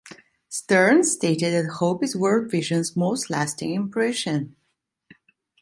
Stearns stated that "hope" is World Vision's most lasting impression.